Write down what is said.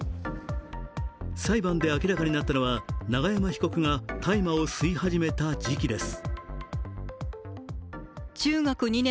裁判で明らかになったのは、永山被告が大麻を吸い始めた時期です。